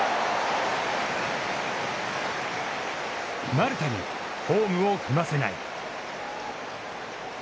丸田にホームを踏ませない。